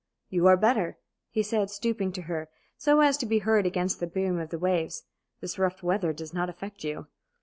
"You are better?" he said, stooping to her, so as to be heard against the boom of the waves. "This rough weather does not affect you?"